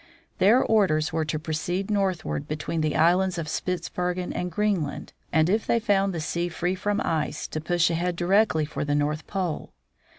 Their orders were to proceed northward between the islands of Spitzbergen and Greenland, and if they found the sea free from ice, to push ahead directly for the North Pole.